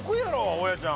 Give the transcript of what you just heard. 大家ちゃん。